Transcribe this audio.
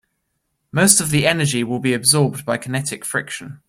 Most of the energy will be absorbed by kinetic friction.